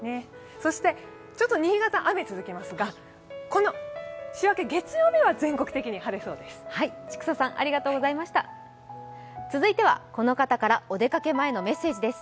そして新潟、雨が続きますが、週明け、月曜日は全国的に晴れそうです。